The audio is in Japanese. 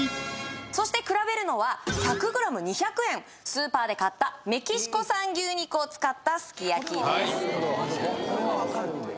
そして比べるのは１００ｇ２００円スーパーで買ったメキシコ産牛肉を使ったすき焼きです